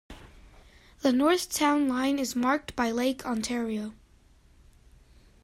The north town line is marked by Lake Ontario.